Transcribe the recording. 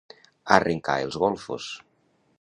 Arrencar els golfos.